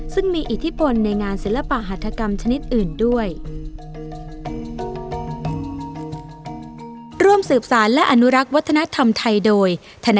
ซึ่งมีอิทธิพลในงานศิลปหัฐกรรมชนิดอื่นด้วย